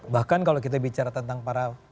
bahkan kalau kita bicara tentang para